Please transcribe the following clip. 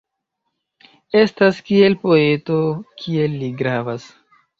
Estas kiel poeto kiel li gravas.